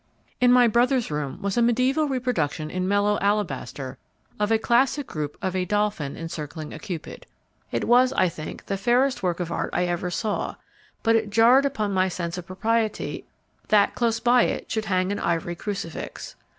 In my brother's room was a medieval reproduction in mellow alabaster of a classic group of a dolphin encircling a Cupid. It was, I think, the fairest work of art I ever saw, but it jarred upon my sense of propriety that close by it should hang an ivory crucifix.